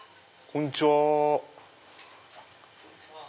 こんにちは。